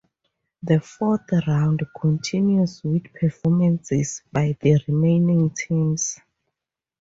The fourth round continues with performances by the remaining teams.